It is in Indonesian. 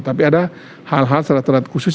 tapi ada hal hal secara terhadap khusus